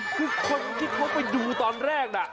คือคนที่เขาไปดูตอนแรกน่ะ